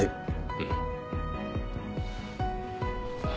うん。